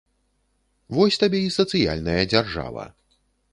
Вось табе і сацыяльная дзяржава.